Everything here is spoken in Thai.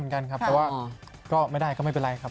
ก็นะไม่ได่ก็ไม่เป็นไรครับ